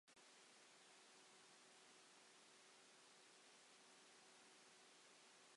Fe gafodd y plant hwyl fawr wrth fynd allan yn y cwch.